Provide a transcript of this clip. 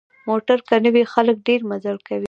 موټر که نه وي، خلک ډېر مزل کوي.